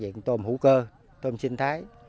diện tôm hữu cơ tôm sinh thái